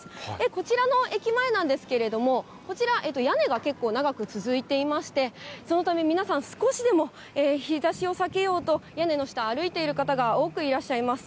こちらの駅前なんですけれども、こちら、屋根が結構長く続いていまして、そのため、皆さん、少しでも日ざしを避けようと、屋根の下、歩いている方が多くいらっしゃいます。